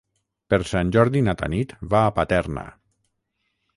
Per Sant Jordi na Tanit va a Paterna.